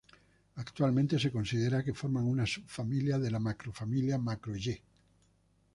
Actualmente se considera que forman una subfamilia de la macrofamilia Macro-Yê.